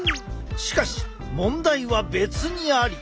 しかし問題は別にあり！